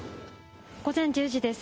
午前１０時です。